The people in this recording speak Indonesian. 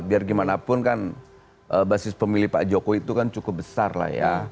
biar gimana pun kan basis pemilih pak jokowi itu kan cukup besar lah ya